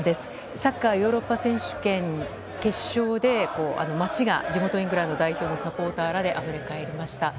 サッカーヨーロッパ選手権決勝で町が地元イングランド代表のサポーターらであふれ返りました。